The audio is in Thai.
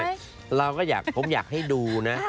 ไม่ไม่เราก็อยากผมอยากให้ดูนะ